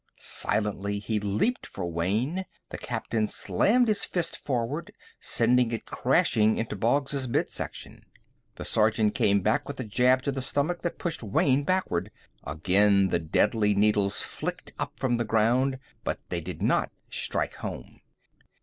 Silently, he leaped for Wayne. The captain slammed his fist forward, sending it crashing into Boggs's midsection. The sergeant came back with a jab to the stomach that pushed Wayne backward. Again the deadly needles flicked up from the ground, but they did not strike home.